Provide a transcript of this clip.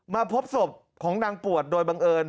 พบศพของนางปวดโดยบังเอิญ